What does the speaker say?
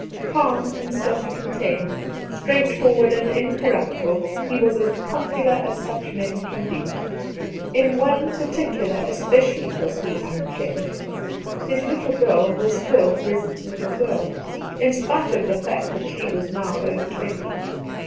Calm and self contained, straightforward and in corruptible, he was as popular as such men can be. In one particular especially was he unchanged. His ' little girl ' was still his ' little girl,' in spite of the fact that she was now over twenty.